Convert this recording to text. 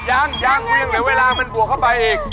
ยังยังเวียงเดี๋ยวเวลามันบวกเข้าไปอีก